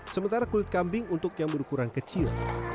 sementara kulit kambing untuk yang berukuran kecil